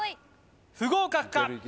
不合格か？